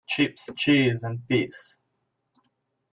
Chips, cheese and peas.